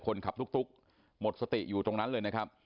คนขับตุ๊กหมดสติอยู่ตรงนั้นเลยนะครับ